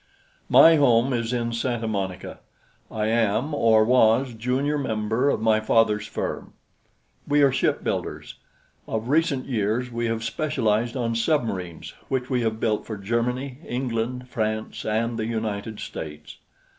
My home is in Santa Monica. I am, or was, junior member of my father's firm. We are ship builders. Of recent years we have specialized on submarines, which we have built for Germany, England, France and the United States.